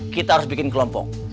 kita harus bikin kelompok